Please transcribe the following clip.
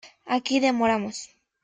aquí demoramos.